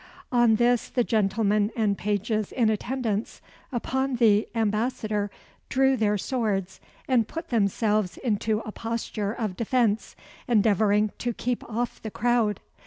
On this the gentlemen and pages in attendance upon the ambassador drew their swords and put themselves into a posture of defence, endeavouring to keep off the crowd.